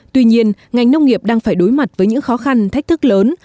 tuy nhiên ngành nông nghiệp đang phải đối mặt với những khó khăn thách thức lớn